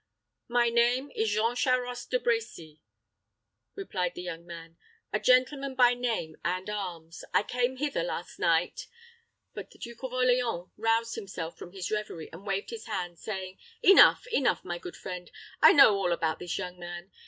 "My name is Jean Charost de Brecy," replied the young man, "a gentleman by name and arms; and I came hither last night " But the Duke of Orleans roused himself from his revery, and waved his hand, saying, "Enough enough, my good friend. I know all about this young man.